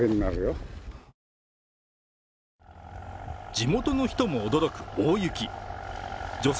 地元の人も驚く大雪。